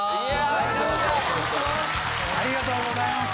ありがとうございます。